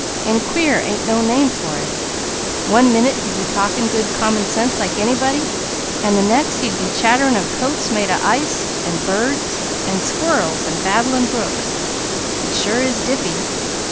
"An' queer ain't no name for it. One minute he'd be talkin' good common sense like anybody: an' the next he'd be chatterin' of coats made o' ice, an' birds an' squirrels an' babbling brooks. He sure is dippy!